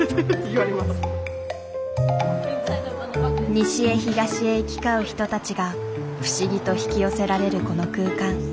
西へ東へ行き交う人たちが不思議と引き寄せられるこの空間。